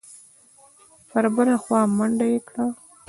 پر بله خوا منډه یې کړه.